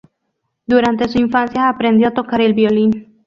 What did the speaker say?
Durante su infancia, aprendió a tocar el violín.